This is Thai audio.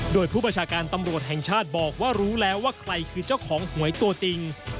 โดยผู้ประชาการตำรวจแห่งชาติบอกว่ารู้แล้วว่าใครคือเจ้าของหวยตัวจริง